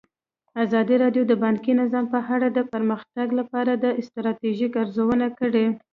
ازادي راډیو د بانکي نظام په اړه د پرمختګ لپاره د ستراتیژۍ ارزونه کړې.